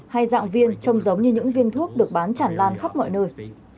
hay dạng viên trông giống như những viên thuốc được bán chản lan khắp mọi nơi